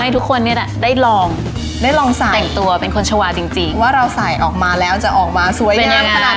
ทุกคนได้ลองได้ลองใส่แต่งตัวเป็นคนชาวาจริงว่าเราใส่ออกมาแล้วจะออกมาสวยงามขนาดไหน